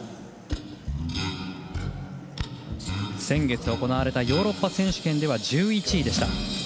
先月行われたヨーロッパ選手権では１１位でした。